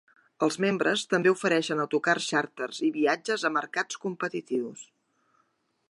Els membres també ofereixen autocars xàrters i viatges a mercats competitius.